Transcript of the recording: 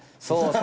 そう。